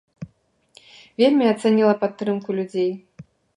Вельмі ацаніла падтрымку людзей.